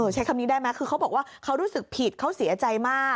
ใช้คำนี้ได้ไหมคือเขาบอกว่าเขารู้สึกผิดเขาเสียใจมาก